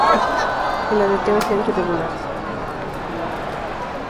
El aleteo es lento y regular.